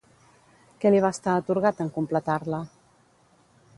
Què li va estar atorgat en completar-la?